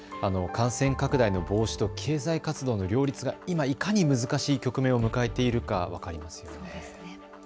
感染拡大の防止と経済活動の両立が今、いかに難しい局面を迎えているか分かりますよね。